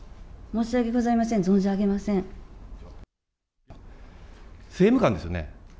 申し訳ございません、存じ上政務官ですよね。